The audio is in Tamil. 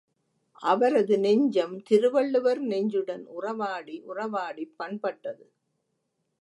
அவரது நெஞ்சம் திருவள்ளுவர் நெஞ்சுடன் உறவாடி உறவாடிப் பண்பட்டது.